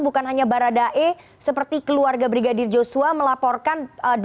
bukan hanya baradae seperti keluarga brigadir joshua melaporkan